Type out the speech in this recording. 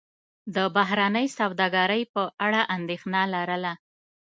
د بهرنۍ سوداګرۍ په اړه اندېښنه لرله.